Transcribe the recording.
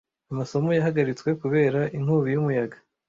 amasomo yahagaritswe kubera inkubi y'umuyaga."